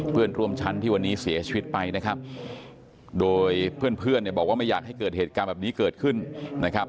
เพื่อนร่วมชั้นที่วันนี้เสียชีวิตไปนะครับโดยเพื่อนเนี่ยบอกว่าไม่อยากให้เกิดเหตุการณ์แบบนี้เกิดขึ้นนะครับ